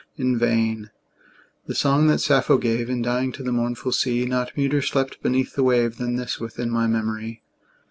In vain: the song that Sappho gave, In dying, to the mournful sea, Not muter slept beneath the wave Than this within my memory.